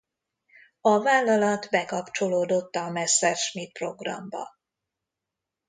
A vállalat bekapcsolódott a Messerschmidt-programba.